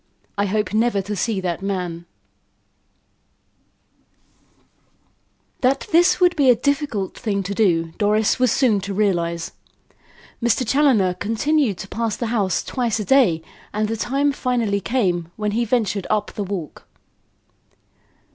I HOPE NEVER TO SEE THAT MAN That this would be a difficult thing to do, Doris was soon to realise. Mr. Challoner continued to pass the house twice a day and the time finally came when he ventured up the walk.